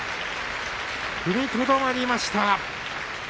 踏みとどまりました。